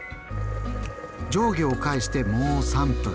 上下を返してもう３分。